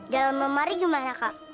dalam lemari gimana kak